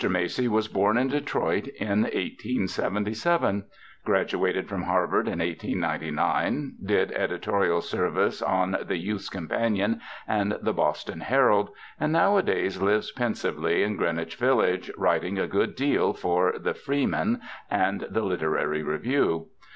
Macy was born in Detroit, 1877; graduated from Harvard in 1899; did editorial service on the Youth's Companion and the Boston Herald; and nowadays lives pensively in Greenwich Village, writing a good deal for The Freeman and The Literary Review.